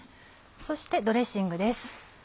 そしてドレッシングです。